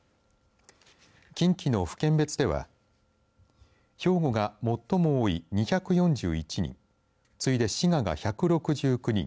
近畿の府県別では兵庫が最も多い２４１人次いで滋賀が１６９人